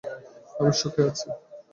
আমি সুখে আছি।